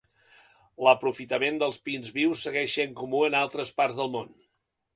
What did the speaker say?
L'aprofitament dels pins vius segueix sent comú en altres parts del món.